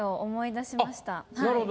なるほど。